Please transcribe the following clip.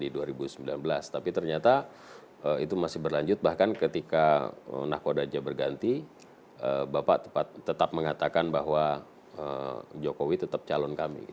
ya pertama tentu kami melihat bahwa jokowi tetap calon kami